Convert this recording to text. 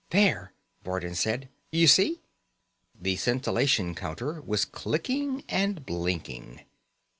"There," Vardin said. "You see?" The scintillation counter was clicking and blinking.